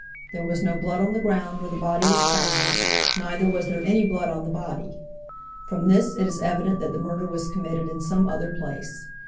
There was no blood on the ground where the body was found, neither was there any blood on the body. From this it is evident that the murder was committed in some other place.